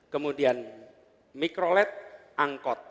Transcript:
kemudian mikrolet angkot